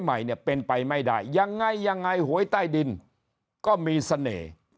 ใหม่เนี่ยเป็นไปไม่ได้ยังไงยังไงหวยใต้ดินก็มีเสน่ห์